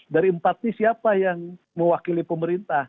dari empat ini siapa yang mewakili pemerintah